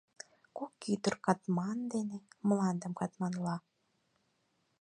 Кок ӱдыр катман дене мландым катманла.